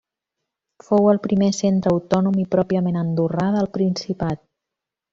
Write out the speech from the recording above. Fou el primer centre autònom i pròpiament andorrà del principat.